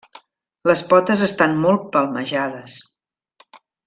Les potes estan molt palmejades.